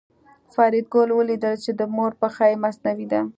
فریدګل ولیدل چې د مور پښه یې مصنوعي ده